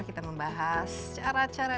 kita membahas cara cara